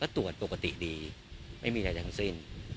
ตรวจปกติดีไม่มีอะไรแต่กันสิ้น